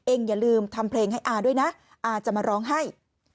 อย่าลืมทำเพลงให้อาด้วยนะอาจะมาร้องให้